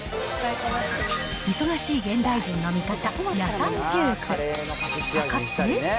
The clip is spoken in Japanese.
忙しい現代人の味方！